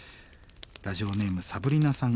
ラジオネームサブリナさん。